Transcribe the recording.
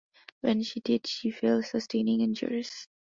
When she did, she fell, sustaining injuries.